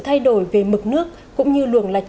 thay đổi về mực nước cũng như luồng lạch